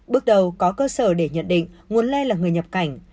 bước đầu có cơ sở để nhận định nguồn lây là người nhập cảnh